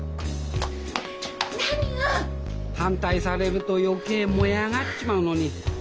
反対されると余計燃え上がっちまうのに。